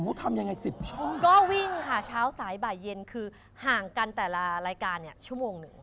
ทำยังไง๑๐ชั่วโมงก็วิ่งค่ะเช้าสายบ่ายเย็นคือห่างกันแต่ละรายการเนี่ยชั่วโมงหนึ่ง